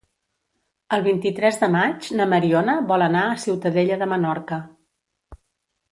El vint-i-tres de maig na Mariona vol anar a Ciutadella de Menorca.